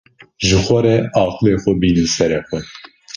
Ji xwe re aqilê xwe bînin serê xwe